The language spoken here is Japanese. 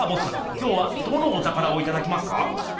今日はどのおたからをいただきますか？